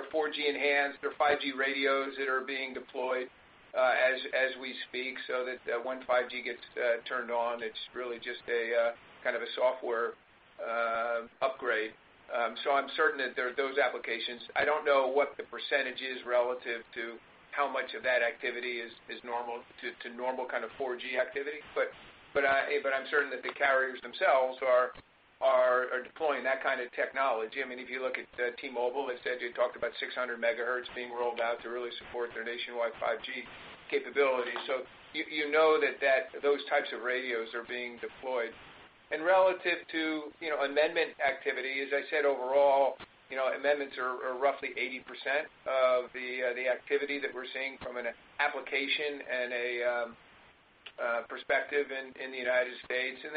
are 4G enhanced, there are 5G radios that are being deployed as we speak, so that when 5G gets turned on, it's really just a software upgrade. I'm certain that there are those applications. I don't know what the percentage is relative to how much of that activity is normal to normal kind of 4G activity. I'm certain that the carriers themselves are deploying that kind of technology. If you look at T-Mobile, they said they talked about 600 MHz being rolled out to really support their nationwide 5G capability. You know that those types of radios are being deployed. Relative to amendment activity, as I said, overall, amendments are roughly 80% of the activity that we're seeing from an application and a perspective in the U.S. And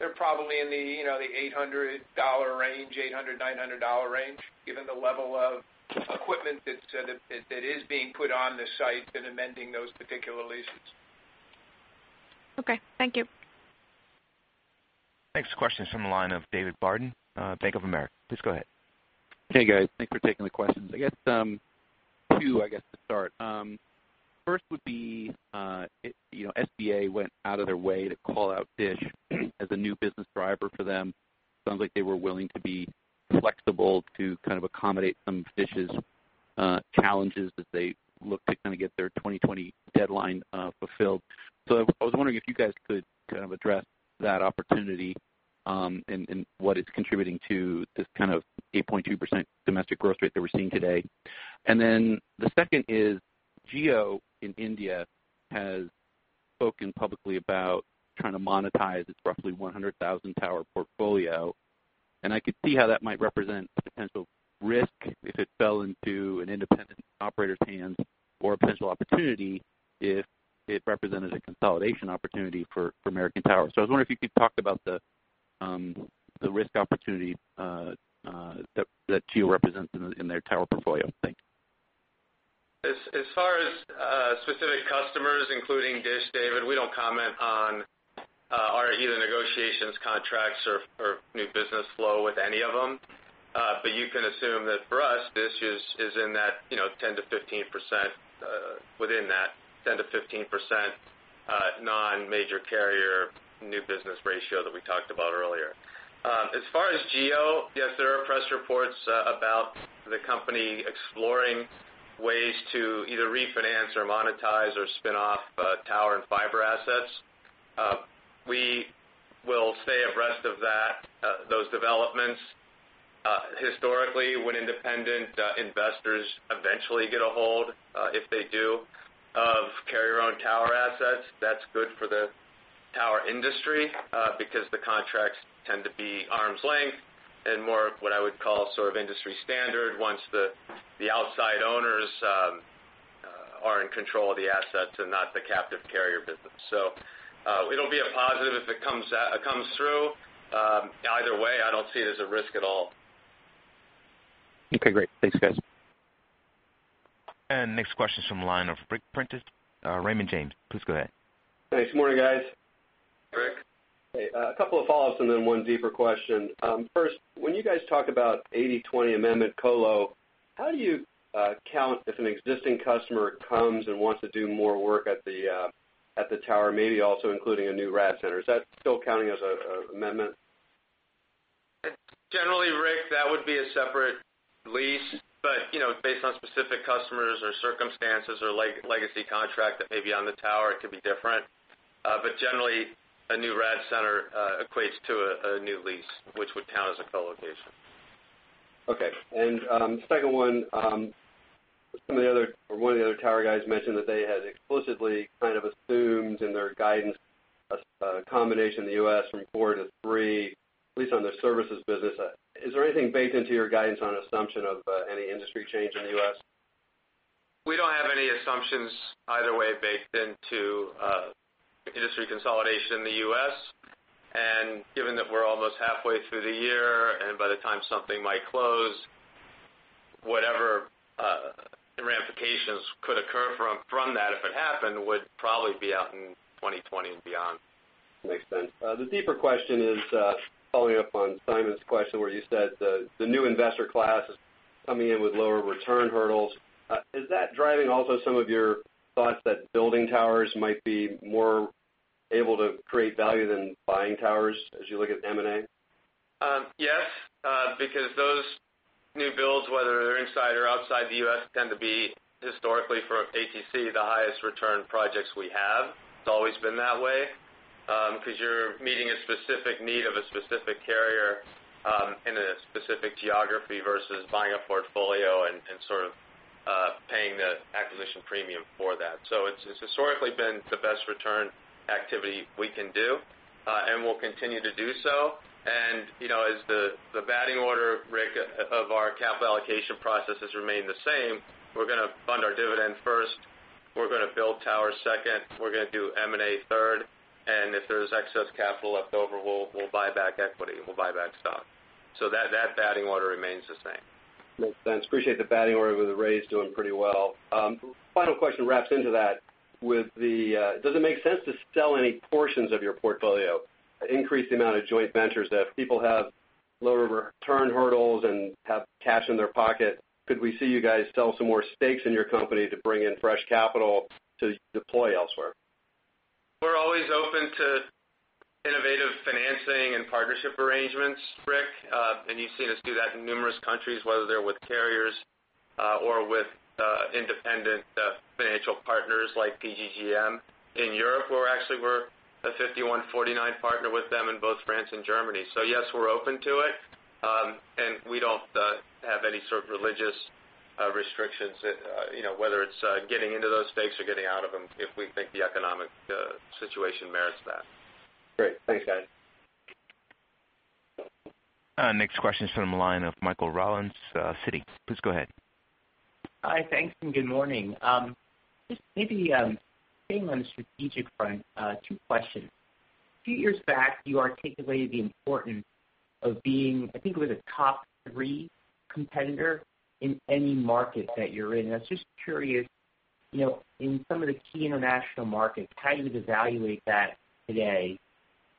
they're probably in the $800 range, $800-$900 range, given the level of equipment that is being put on the sites and amending those particular leases. Okay. Thank you. Next question is from the line of David Barden, Bank of America. Please go ahead. Hey, guys. Thanks for taking the questions. I guess, two, I guess, to start. First would be, SBA went out of their way to call out DISH Network as a new business driver for them. Sounds like they were willing to be flexible to kind of accommodate some of DISH Network's challenges as they look to kind of get their 2020 deadline fulfilled. I was wondering if you guys could kind of address that opportunity, and what it's contributing to this kind of 8.2% domestic growth rate that we're seeing today. The second is, Jio in India has spoken publicly about trying to monetize its roughly 100,000 tower portfolio, and I could see how that might represent a potential risk if it fell into an independent operator's hands or a potential opportunity if it represented a consolidation opportunity for American Tower. I was wondering if you could talk about the risk opportunity that Jio represents in their tower portfolio. Thanks. As far as specific customers, including DISH Network, David, we don't comment on our either negotiations, contracts, or new business flow with any of them. You can assume that for us, DISH Network is within that 10%-15% non-major carrier new business ratio that we talked about earlier. As far as Jio, yes, there are press reports about the company exploring ways to either refinance or monetize or spin off tower and fiber assets. We will stay abreast of those developments. Historically, when independent investors eventually get a hold, if they do, of carrier-owned tower assets, that's good for the tower industry because the contracts tend to be arm's length and more of what I would call industry standard once the outside owners are in control of the assets and not the captive carrier business. It'll be a positive if it comes through. Either way, I don't see it as a risk at all. Okay, great. Thanks, guys. Next question is from the line of Ric Prentiss, Raymond James. Please go ahead. Hey, good morning, guys. Ric. Hey, a couple of follow-ups and then one deeper question. First, when you guys talk about 80/20 amendment co-lo, how do you count if an existing customer comes and wants to do more work at the tower, maybe also including a new RAD center? Is that still counting as an amendment? Generally, Ric, that would be a separate lease, but based on specific customers or circumstances or legacy contract that may be on the tower, it could be different. Generally, a new RAD center equates to a new lease, which would count as a co-location. Okay. Second one of the other tower guys mentioned that they had explicitly kind of assumed in their guidance a combination in the U.S. from 4 to 3, at least on the services business. Is there anything baked into your guidance on assumption of any industry change in the U.S.? We don't have any assumptions either way baked into industry consolidation in the U.S., given that we're almost halfway through the year, and by the time something might close, whatever ramifications could occur from that, if it happened, would probably be out in 2020 and beyond. Makes sense. The deeper question is following up on Simon's question where you said the new investor class is coming in with lower return hurdles. Is that driving also some of your thoughts that building towers might be more able to create value than buying towers as you look at M&A? Yes, because those new builds, whether they're inside or outside the U.S., tend to be historically for ATC, the highest return projects we have. It's always been that way because you're meeting a specific need of a specific carrier in a specific geography versus buying a portfolio and sort of paying the acquisition premium for that. It's historically been the best return activity we can do, and we'll continue to do so. As the batting order, Ric, of our capital allocation processes remain the same, we're gonna fund our dividend first, we're gonna build towers second, we're gonna do M&A third, and if there's excess capital left over, we'll buy back equity, we'll buy back stock. That batting order remains the same. Makes sense. Appreciate the batting order with the raise doing pretty well. Final question wraps into that, does it make sense to sell any portions of your portfolio, increase the amount of joint ventures that people have lower return hurdles and have cash in their pocket? Could we see you guys sell some more stakes in your company to bring in fresh capital to deploy elsewhere? We're always open to innovative financing and partnership arrangements, Ric. You've seen us do that in numerous countries, whether they're with carriers or with independent financial partners like PGGM in Europe, where actually we're a 51/49 partner with them in both France and Germany. Yes, we're open to it, and we don't have any sort of religious restrictions, whether it's getting into those stakes or getting out of them, if we think the economic situation merits that. Great. Thanks, Jim. Next question is from the line of Michael Rollins, Citi. Please go ahead. Hi, thanks, and good morning. Just maybe staying on the strategic front, two questions. A few years back, you articulated the importance of being, I think it was a top three competitor in any market that you're in. I was just curious, in some of the key international markets, how you would evaluate that today,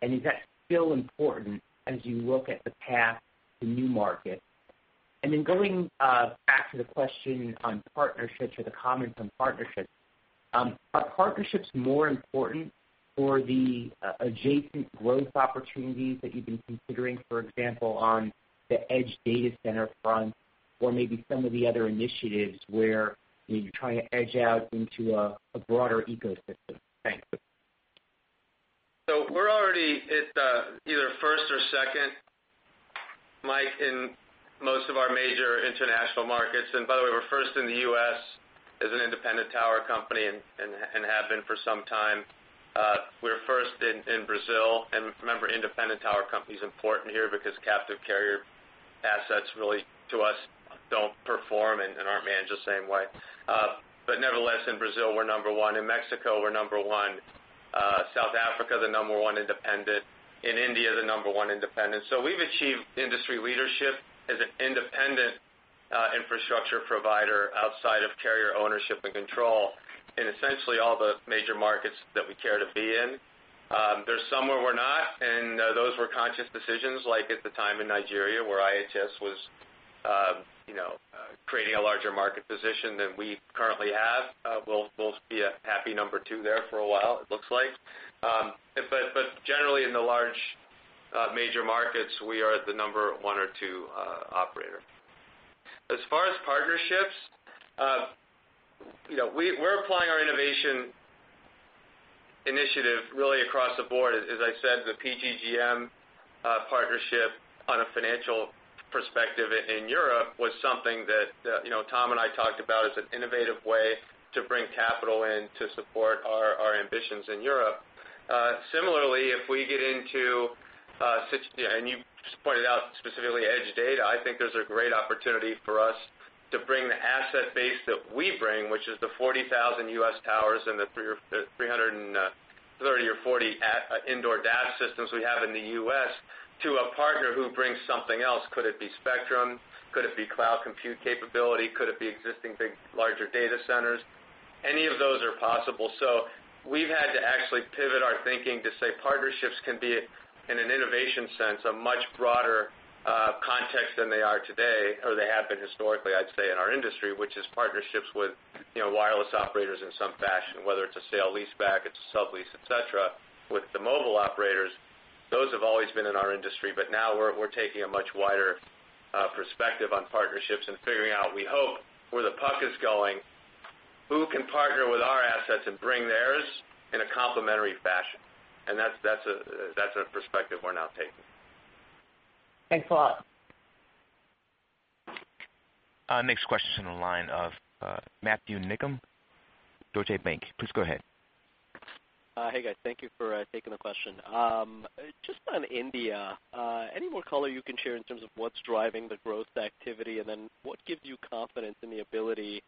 and is that still important as you look at the path to new markets? Then going back to the question on partnerships or the comments on partnerships, are partnerships more important for the adjacent growth opportunities that you've been considering, for example, on the edge data center front, or maybe some of the other initiatives where maybe you're trying to edge out into a broader ecosystem? Thanks. We're already at either first or second, Mike, in most of our major international markets. By the way, we're first in the U.S. as an independent tower company and have been for some time. We're first in Brazil. Remember, independent tower company is important here because captive carrier assets really, to us, don't perform and aren't managed the same way. Nevertheless, in Brazil, we're number one. In Mexico, we're number one. South Africa, the number one independent. In India, the number one independent. We've achieved industry leadership as an independent infrastructure provider outside of carrier ownership and control in essentially all the major markets that we care to be in. There's some where we're not, and those were conscious decisions, like at the time in Nigeria, where IHS Towers was creating a larger market position than we currently have. We'll be a happy number two there for a while, it looks like. Generally, in the large major markets, we are the number one or two operator. As far as partnerships, we're applying our innovation initiative really across the board. As I said, the PGGM partnership on a financial perspective in Europe was something that Tom and I talked about as an innovative way to bring capital in to support our ambitions in Europe. Similarly, you just pointed out specifically edge data, I think there's a great opportunity for us to bring the asset base that we bring, which is the 40,000 U.S. towers and the 330 or 40 indoor DAS systems we have in the U.S., to a partner who brings something else. Could it be spectrum? Could it be cloud compute capability? Could it be existing big, larger data centers? Any of those are possible. We've had to actually pivot our thinking to say partnerships can be, in an innovation sense, a much broader context than they are today, or they have been historically, I'd say, in our industry, which is partnerships with wireless operators in some fashion, whether it's a sale lease back, it's a sublease, et cetera, with the mobile operators. Those have always been in our industry, but now we're taking a much wider perspective on partnerships and figuring out, we hope, where the puck is going, who can partner with our assets and bring theirs in a complementary fashion. That's a perspective we're now taking. Thanks a lot. Next question in the line of Matthew Niknam, Deutsche Bank. Please go ahead. Hey, guys. Thank you for taking the question. Just on India, any more color you can share in terms of what's driving the growth activity? Then what gives you confidence in the ability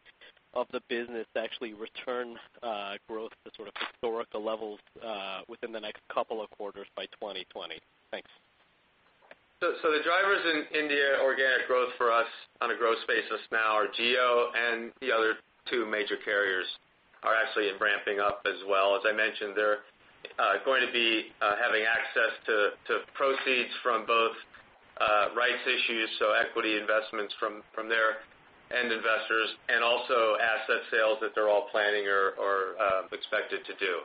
of the business to actually return growth to sort of historical levels within the next couple of quarters by 2020? Thanks. The drivers in India organic growth for us on a growth basis now are Jio and the other two major carriers are actually ramping up as well. As I mentioned, they are going to be having access to proceeds from both rights issues, so equity investments from their end investors, and also asset sales that they are all planning or expected to do.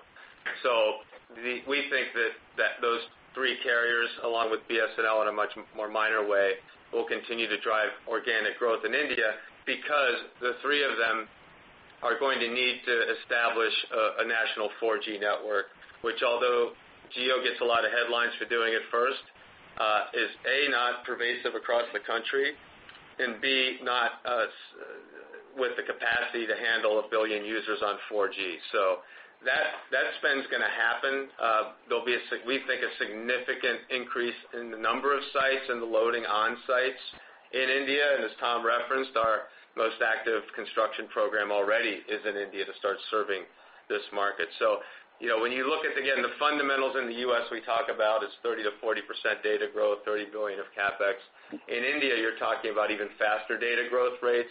We think that those three carriers, along with BSNL in a much more minor way, will continue to drive organic growth in India because the three of them are going to need to establish a national 4G network, which, although Jio gets a lot of headlines for doing it first is, A, not pervasive across the country, and B, not with the capacity to handle 1 billion users on 4G. That spend's going to happen. There will be, we think, a significant increase in the number of sites and the loading on sites in India. As Tom referenced, our most active construction program already is in India to start serving this market. When you look at, again, the fundamentals in the U.S. we talk about is 30%-40% data growth, $30 billion of CapEx. In India, you are talking about even faster data growth rates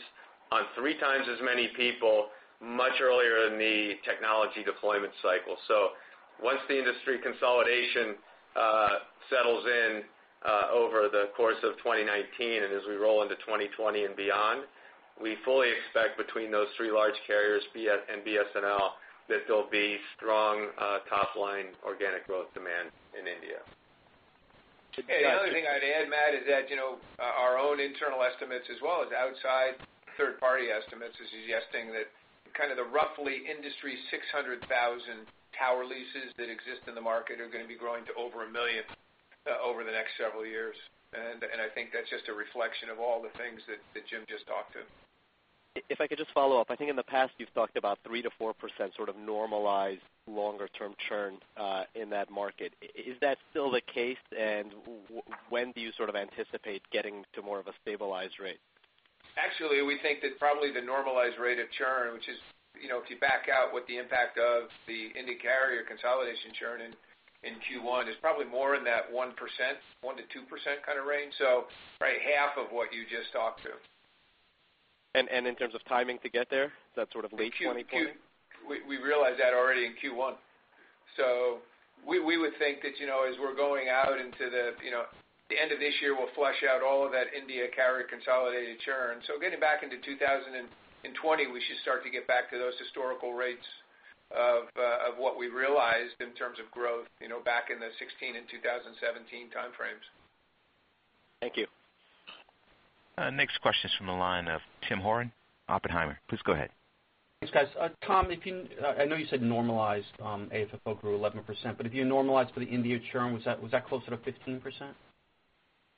on three times as many people much earlier in the technology deployment cycle. Once the industry consolidation settles in over the course of 2019 and as we roll into 2020 and beyond, we fully expect between those three large carriers and BSNL, that there will be strong top-line organic growth demand in India. The only thing I would add, Matt, is that our own internal estimates as well as outside third-party estimates are suggesting that kind of the roughly industry 600,000 tower leases that exist in the market are going to be growing to over 1 million. Over the next several years. I think that is just a reflection of all the things that Jim just talked to. If I could just follow up, I think in the past you've talked about 3%-4% sort of normalized longer term churn in that market. Is that still the case? When do you sort of anticipate getting to more of a stabilized rate? Actually, we think that probably the normalized rate of churn, which is, if you back out what the impact of the India carrier consolidation churn in Q1, is probably more in that 1%, 1%-2% kind of range. Half of what you just talked to. In terms of timing to get there, is that sort of late 2020 point? We realized that already in Q1. We would think that, as we're going out into the end of this year, we'll flush out all of that India carrier consolidated churn. Getting back into 2020, we should start to get back to those historical rates of what we realized in terms of growth, back in the 2016 and 2017 time frames. Thank you. Next question is from the line of Tim Horan, Oppenheimer. Please go ahead. Thanks, guys. Tom, I know you said normalized AFFO grew 11%, but if you normalize for the India churn, was that closer to 15%?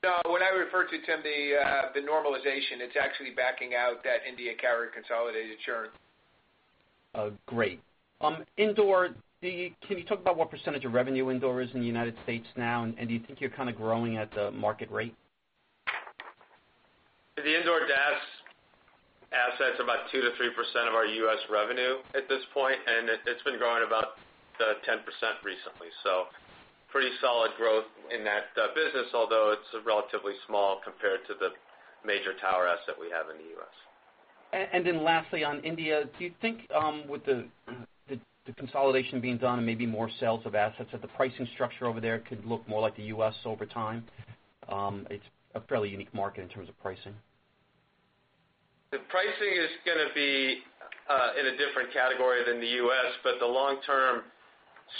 No. When I refer to, Tim, the normalization, it's actually backing out that India carrier consolidated churn. Great. Igor, can you talk about what % of revenue indoor is in the U.S. now, and do you think you're kind of growing at the market rate? The indoor DAS assets are about 2%-3% of our U.S. revenue at this point, and it's been growing about 10% recently. Pretty solid growth in that business, although it's relatively small compared to the major tower asset we have in the U.S. Lastly, on India, do you think, with the consolidation being done and maybe more sales of assets, that the pricing structure over there could look more like the U.S. over time? It's a fairly unique market in terms of pricing. The pricing is gonna be in a different category than the U.S., but the long-term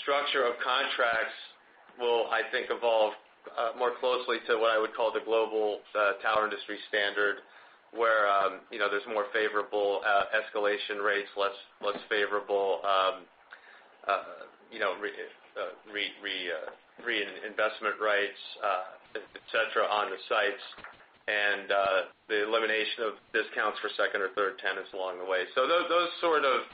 structure of contracts will, I think, evolve more closely to what I would call the global tower industry standard, where there's more favorable escalation rates, less favorable reinvestment rights, et cetera, on the sites, and the elimination of discounts for second or third tenants along the way. Those sort of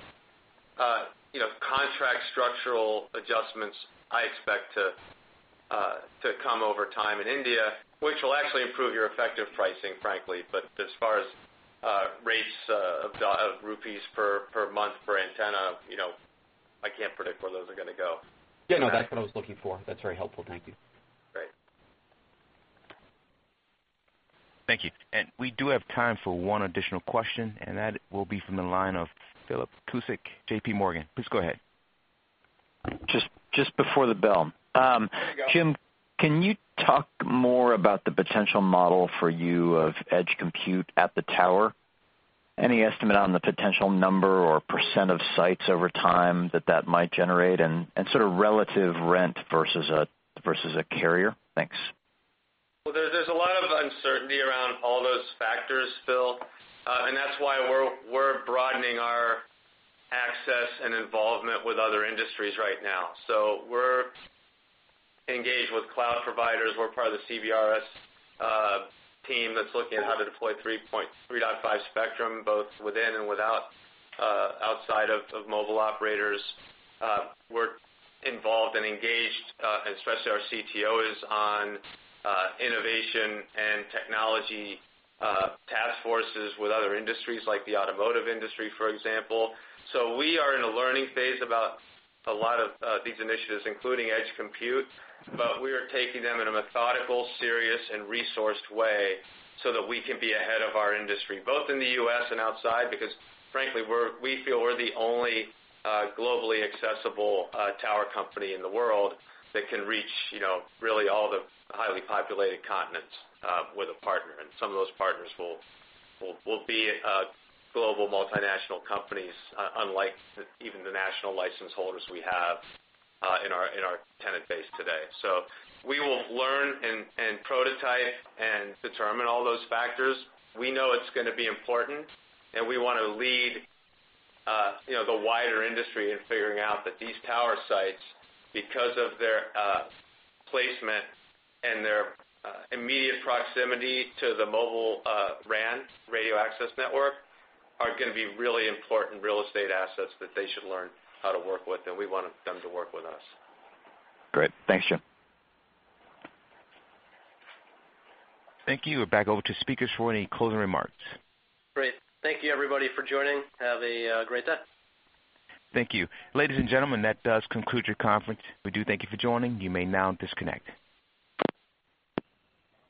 contract structural adjustments I expect to come over time in India, which will actually improve your effective pricing, frankly. As far as rates of rupees per month per antenna, I can't predict where those are gonna go. Yeah, no, that's what I was looking for. That's very helpful. Thank you. Great. Thank you. We do have time for one additional question, and that will be from the line of Philip Cusick, J.P. Morgan. Please go ahead. Just before the bell. There you go. Jim, can you talk more about the potential model for you of edge compute at the tower? Any estimate on the potential number or % of sites over time that that might generate, and sort of relative rent versus a carrier? Thanks. There's a lot of uncertainty around all those factors, Phil, That's why we're broadening our access and involvement with other industries right now. We're engaged with cloud providers. We're part of the CBRS team that's looking at how to deploy 3.5 GHz spectrum, both within and outside of mobile operators. We're involved and engaged, and especially our CTO is, on innovation and technology task forces with other industries, like the automotive industry, for example. We are in a learning phase about a lot of these initiatives, including edge compute, but we are taking them in a methodical, serious, and resourced way so that we can be ahead of our industry, both in the U.S. and outside, Frankly, we feel we're the only globally accessible tower company in the world that can reach really all the highly populated continents with a partner. Some of those partners will be global multinational companies, unlike even the national license holders we have in our tenant base today. We will learn and prototype and determine all those factors. We know it's gonna be important, and we want to lead the wider industry in figuring out that these tower sites, because of their placement and their immediate proximity to the mobile RAN, radio access network, are gonna be really important real estate assets that they should learn how to work with, and we want them to work with us. Great. Thanks, Jim. Thank you. We're back over to speakers for any closing remarks. Great. Thank you everybody for joining. Have a great day. Thank you. Ladies and gentlemen, that does conclude your conference. We do thank you for joining. You may now disconnect.